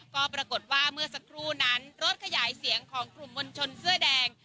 ก็ปรากฏว่าเมื่อสักครู่นั้นรถขยายเสียงของกลุ่มมวลชนเสื้อแดง